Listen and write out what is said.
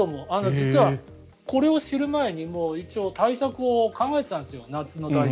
実は、これを知る前に一応夏の対策を考えてたんですよ。